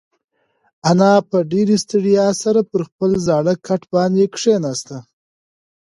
انا په ډېرې ستړیا سره پر خپل زاړه کټ باندې کښېناسته.